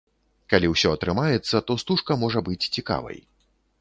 Калі ўсё атрымаецца, то стужка можа быць цікавай.